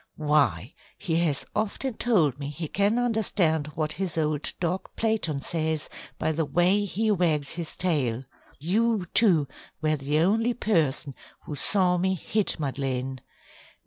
Why, he has often told me he can understand what his old dog Platon says by the way he wags his tail. You, too, were the only person who saw me hit Madeleine.